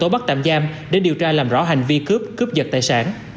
rồi tố bắt tạm giam để điều tra làm rõ hành vi cướp cướp vật tài sản